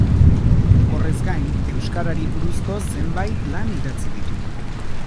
Horrez gain, euskarari buruzko zenbait lan idatzi ditu.